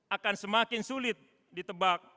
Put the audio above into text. akan semakin sulit ditebak